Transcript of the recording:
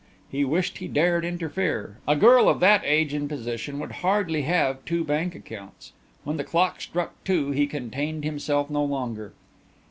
He wished he dared interfere a girl of that age and position would hardly have two bank accounts. When the clock struck two he contained himself no longer.